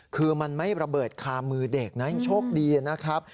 คือมันไม่ระเบิดคามือเด็กนะยังโชคดีนะครับ